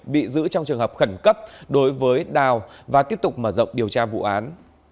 bị giữ trong trường hợp khẩn cấp đối với đào và tiếp tục mở rộng điều tra vụ án